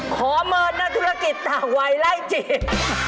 ขอเมิดณธุรกิจถังวัยแล้วจีน